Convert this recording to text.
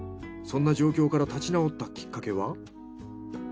そんな状況から立ち直ったきっかけは？